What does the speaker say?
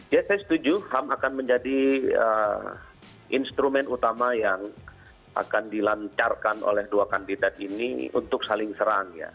ya saya setuju ham akan menjadi instrumen utama yang akan dilancarkan oleh dua kandidat ini untuk saling serang ya